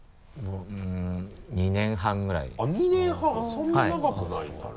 そんなに長くないんだな。